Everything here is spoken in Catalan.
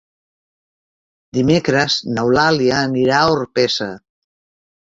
Dimecres n'Eulàlia anirà a Orpesa.